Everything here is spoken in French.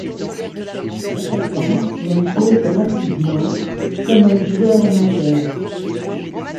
L'attaquant s'y impose rapidement comme un joueur majeur.